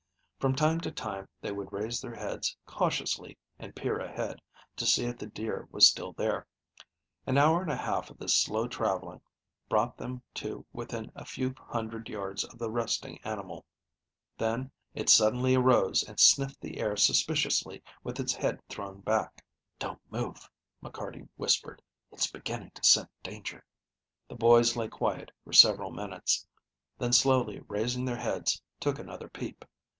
From time to time they would raise their heads cautiously and peer ahead, to see if the deer was still there. An hour and half of this slow traveling brought them to within a few hundred yards of the resting animal; then it suddenly arose, and sniffed the air suspiciously, with its head thrown back. "Don't move," McCarty whispered. "It's beginning to scent danger." The boys lay quiet for several minutes; then slowly raising their heads, took another peep.